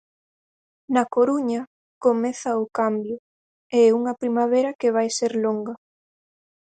"Na Coruña comeza o cambio" e unha "primavera que vai ser longa".